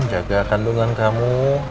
jaga kandungan kamu